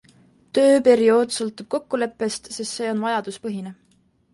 Töö periood sõltub kokkuleppest, sest see on vajaduspõhine.